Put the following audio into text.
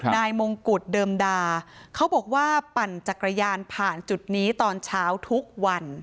มงกุฎเดิมดาเขาบอกว่าปั่นจักรยานผ่านจุดนี้ตอนเช้าทุกวัน